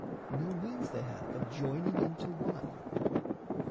No means they have of joining into one.